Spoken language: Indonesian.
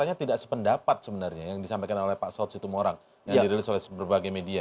karena kata katanya sebenarnya tidak sependapat sebenarnya yang disampaikan oleh pak saud situmorang yang dirilis oleh berbagai media